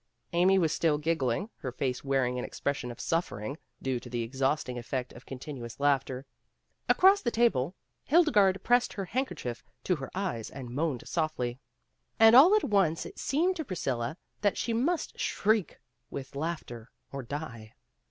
Amy was still giggling, her face wearing an expression of suffering, due to the exhausting effect of continuous laughter. Across the table Hildegarde pressed her hand kerchief to her eyes and moaned softly. And all at once it seemed to Priscilla that she must shriek with laughter or die.